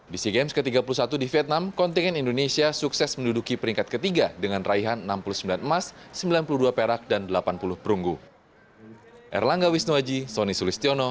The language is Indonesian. di sea games ke tiga puluh satu di vietnam kontingen indonesia sukses menduduki peringkat ketiga dengan raihan enam puluh sembilan emas sembilan puluh dua perak dan delapan puluh perunggu